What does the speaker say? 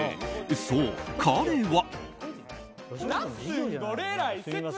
そう、彼は。